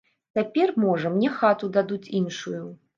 Цяпер, можа, мне хату дадуць іншую.